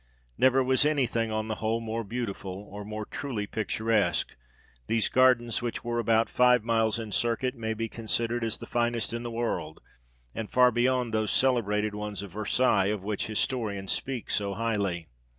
Never was any thing on the whole more beautiful, or more truly picturesque ; these gardens, which were about five miles in circuit, may be considered as the finest in the world, and far beyond those cele brated ones of Versailles, of which historians speak so highly.